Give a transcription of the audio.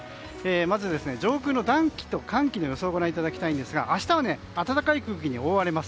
まず上空の暖気と寒気の予想をご覧いただきたいんですが明日は暖かい空気に覆われます。